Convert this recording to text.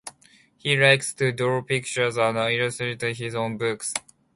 He likes to draw pictures and has illustrated his own books.